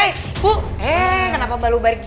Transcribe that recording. eh kenapa balubar gizi